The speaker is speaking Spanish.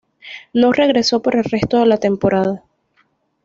No regresó por el resto de la temporada.